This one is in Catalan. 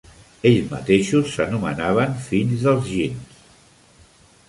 Ells mateixos s'anomenaven fills dels Jinns.